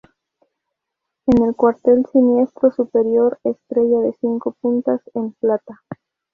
En el cuartel siniestro superior estrella de cinco puntas en plata.